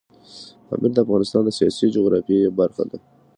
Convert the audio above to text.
پامیر د افغانستان د سیاسي جغرافیه برخه ده.